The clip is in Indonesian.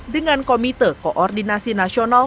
dengan komite koordinasi nasional